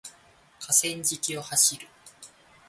河川敷を走る